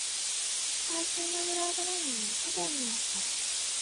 最新のブラウザなのに不便になった